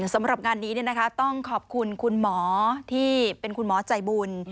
สำหรับงานนี้ต้องขอบคุณคุณหมอที่เป็นคุณหมอใจบุญ